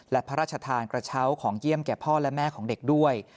และพระราชทานกระเช้าของเยี่ยมแก่พ่อและแม่ของเด็กด้วย